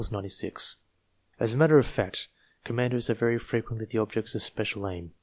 As a matter of fact, commanders are very frequently the objects of special aim.